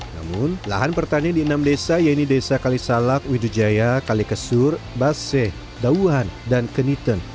namun lahan pertanian di enam desa yaitu desa kalisalak widujaya kalikesur baseh dauhan dan keniten